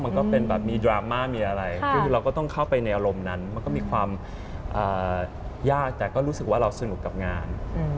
มันก็เป็นแบบมีดราม่ามีอะไรคือเราก็ต้องเข้าไปในอารมณ์นั้นมันก็มีความยากแต่ก็รู้สึกว่าเราสนุกกับงาน